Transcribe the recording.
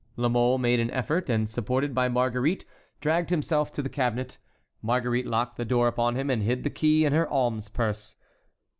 La Mole made an effort, and, supported by Marguerite, dragged himself to the cabinet. Marguerite locked the door upon him, and hid the key in her alms purse.